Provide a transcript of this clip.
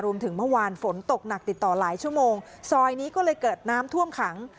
เมื่อวานฝนตกหนักติดต่อหลายชั่วโมงซอยนี้ก็เลยเกิดน้ำท่วมขัง